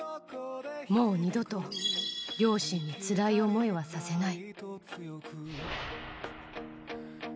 もう二度と両親につらい思いはさせない。